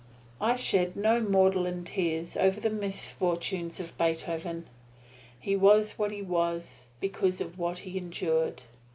I shed no maudlin tears over the misfortunes of Beethoven. He was what he was because of what he endured.